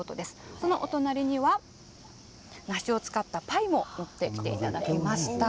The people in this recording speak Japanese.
そのお隣には梨を使ったパイも持ってきていただきました。